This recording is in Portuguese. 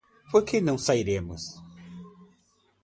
Por que não sairemos?